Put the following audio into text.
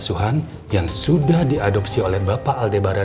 bukan masalah seragam ya